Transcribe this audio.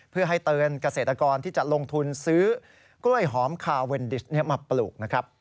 เพื่อให้เตือนเกษตรกรที่จะลงทุนซื้อกล้วยหอมคาเวนดิสมาปลูกนะครับ